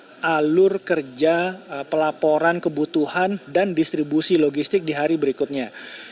kita sudah menetapkan alur kerja pelaporan kebutuhan dan distribusi logistik di hari berikutnya